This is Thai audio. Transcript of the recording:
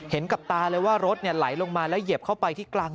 กับตาเลยว่ารถไหลลงมาแล้วเหยียบเข้าไปที่กลาง